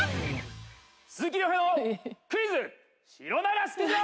「鈴木亮平のクイズシロナガスクジラ！」